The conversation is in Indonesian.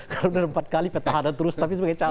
kalau sudah empat kali petahana terus tapi sebagai calon